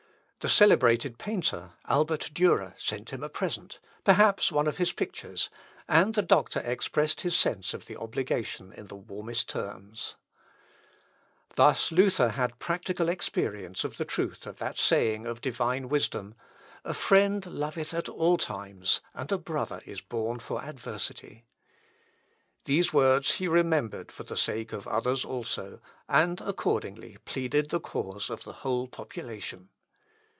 The celebrated painter, Albert Durer, sent him a present, (perhaps one of his pictures,) and the doctor expressed his sense of the obligation in the warmest terms. "Accepi simul et donum insignis viri Alberti Durer." (Luth., Ep. i, 95.) Thus Luther had practical experience of the truth of that saying of Divine wisdom: "A friend loveth at all times; and a brother is born for adversity." Those words he remembered for the sake of others also, and accordingly pleaded the cause of the whole population.